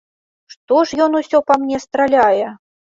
Што ж ён усё па мне страляе?